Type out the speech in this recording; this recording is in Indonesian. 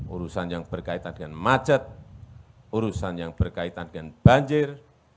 urusan yang berkaitan dengan macet urusan yang berkaitan dengan banjir